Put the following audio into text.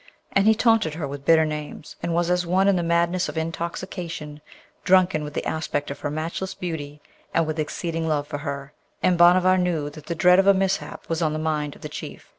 And he taunted her with bitter names, and was as one in the madness of intoxication, drunken with the aspect of her matchless beauty and with exceeding love for her. And Bhanavar knew that the dread of a mishap was on the mind of the Chief.